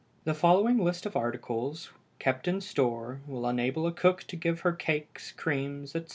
The following list of articles kept in store will enable a cook to give her cakes, creams, etc.